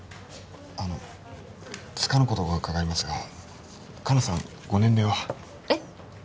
あのつかぬことを伺いますが香菜さんご年齢は？えっ？